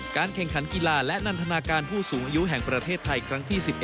แข่งขันกีฬาและนันทนาการผู้สูงอายุแห่งประเทศไทยครั้งที่๑๑